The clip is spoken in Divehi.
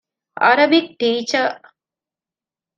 ޢަރަބިކް ޓީޗަރ